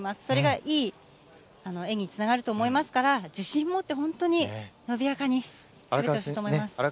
それがいい演技につながると思いますから、自信持って、本当に伸びやかに滑ってほしいと思います。